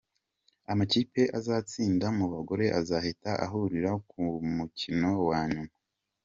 Amakipe azatsinda mu bagore azahita ahurira ku mukino wa nyuma.